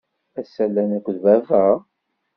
Ass-a, llan akked baba?